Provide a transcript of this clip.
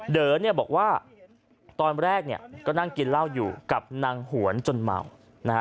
เดอร์บอกว่าตอนแรกก็นั่งกินเหล้าอยู่กับนางหวนจนเมา